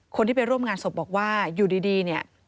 คนที่ไปร่วมงานศพบอกว่าอยู่ดีเนี่ย